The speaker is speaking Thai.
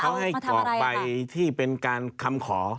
เขาให้กรอกใบที่เป็นการคำขอ